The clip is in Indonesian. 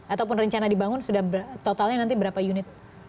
ataupun rencana dibangun sudah totalnya nanti berapa unit